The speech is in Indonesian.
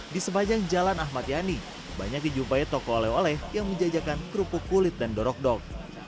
di sepanjang jalan ahmad yani banyak dijumpai toko ole ole yang menjajakan kerupuk kulit dan dorok dok